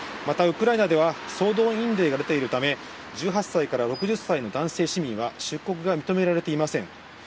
またウクライナでは総動員令が出ているため、１８歳から６０歳の男性市民は出国が認められていません。